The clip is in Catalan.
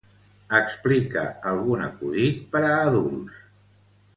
Explica algun acudit per a adults.